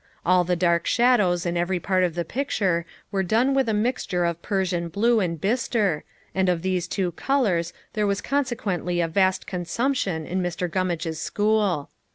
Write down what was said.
All the dark shadows in every part of the picture were done with a mixture of Persian blue and bistre, and of these two colors there was consequently a vast consumption in Mr. Gummage's school.